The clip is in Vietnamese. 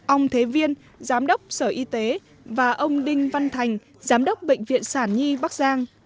ông thế viên giám đốc sở y tế và ông đinh văn thành giám đốc bệnh viện sản nhi bắc giang